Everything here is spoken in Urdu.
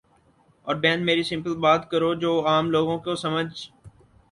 او بہن میری سمپل بات کرو جو عام لوگوں کو سمحجھ